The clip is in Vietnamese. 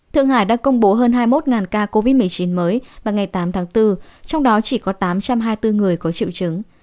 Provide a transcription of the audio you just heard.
thượng hải đã công bố hơn hai mươi một ca covid một mươi chín mới và ngày tám tháng bốn trong đó chỉ có tám trăm hai mươi bốn người có triệu chứng